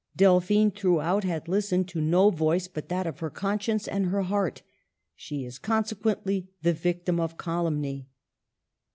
Delphine throughout had listened to no voice but that of her conscience and her heart ; she is consequently the victim of calumny.